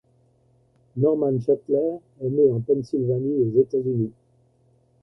Norman Shetler est né en Pennsylvanie, aux États-Unis.